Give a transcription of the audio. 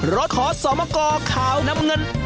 ๓รถขอสอบโมกรขาวน้ำเงิน